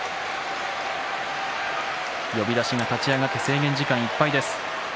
呼出しが立ち上がって制限時間いっぱいです。